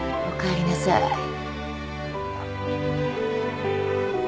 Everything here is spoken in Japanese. おかえりなさい。